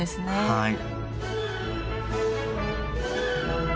はい。